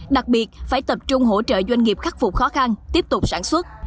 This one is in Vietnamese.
đặc biệt phải tập trung hỗ trợ doanh nghiệp khắc phục khó khăn tiếp tục sản xuất